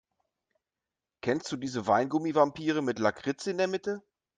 Kennst du diese Weingummi-Vampire mit Lakritz in der Mitte?